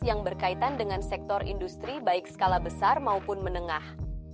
yang berkaitan dengan sektor industri baik skala besar maupun menengah